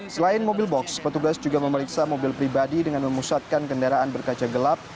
selain mobil box petugas juga memeriksa mobil pribadi dengan memusatkan kendaraan berkaca gelap